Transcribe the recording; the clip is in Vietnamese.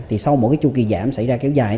thì sau mỗi cái chu kỳ giảm xảy ra kéo dài